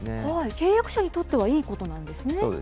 契約者にとってはいいことなんですね。